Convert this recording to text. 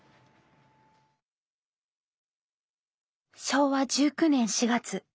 昭和１９年４月。